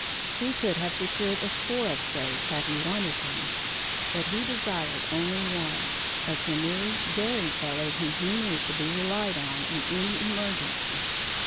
He could have secured a score of braves had he wanted them, but he desired only one a sinewy, daring fellow whom he knew could be relied on in any emergency.